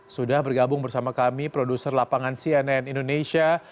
sudah bergabung bersama kami produser lapangan cnn indonesia